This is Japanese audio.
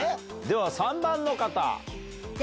では３番の方。